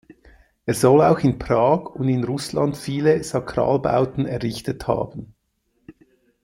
Er soll auch in Prag und in Russland viele Sakralbauten errichtet haben.